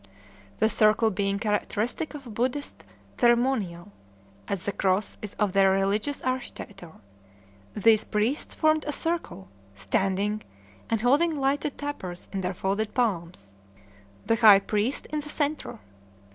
The circle being characteristic of a Buddhist ceremonial, as the cross is of their religious architecture, these priests formed a circle, standing, and holding lighted tapers in their folded palms, the high priest in the centre.